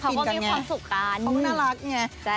เขาก็มีความสุขกันเขาก็น่ารักไง